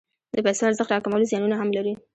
د پیسو ارزښت راکمول زیانونه هم لري.